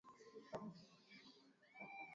barabara kwa wanajeshi yaani kuna tishio mingine